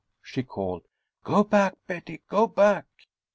she called. "Go back, Betty, go back!"